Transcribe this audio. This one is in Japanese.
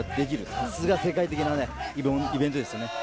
さすが世界的なイベントですね。